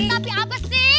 tapi apa sih